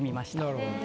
なるほど。